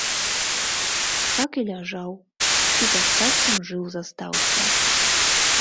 Так і ляжаў і за шчасцем жыў застаўся.